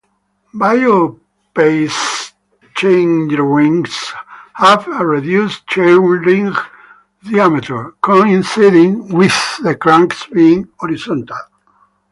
Biopace chainrings have a reduced chainring diameter coinciding with the cranks being horizontal.